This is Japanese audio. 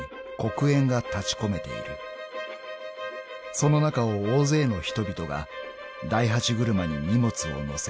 ［その中を大勢の人々が大八車に荷物を載せ